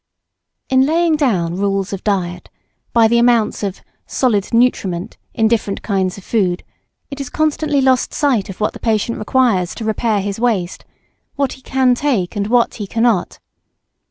] In laying down rules of diet, by the amounts of "solid nutriment" in different kinds of food, it is constantly lost sight of what the patient requires to repair his waste, what he can take and what he can't.